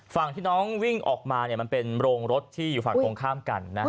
ฝั่งที่น้องวิ่งออกมามันเป็นโรงรถที่อยู่ฝั่งตรงข้ามกัน